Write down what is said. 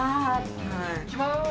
いきます。